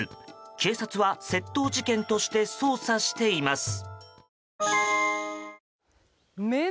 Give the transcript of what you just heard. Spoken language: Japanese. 警察は窃盗事件として捜査しています。